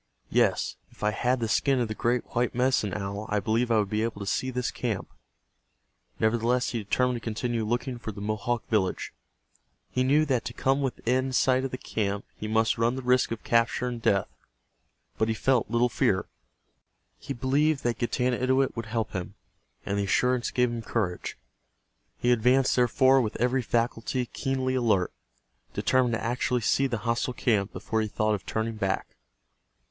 Yes, if I had the skin of the great white Medicine Owl I believe I would be able to see this camp." Nevertheless he determined to continue looking for the Mohawk village. He knew that to come within sight of the camp he must run the risk of capture and death, but he felt little fear. He believed that Getanittowit would help him, and the assurance gave him courage. He advanced, therefore, with every faculty keenly alert, determined to actually see the hostile camp before he thought of turning back.